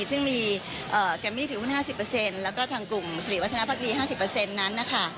ซึ่งมีแกมมี่ถือหุ้น๕๐แล้วก็ทางกลุ่มสิริวัฒนภักดี๕๐นั้นนะคะ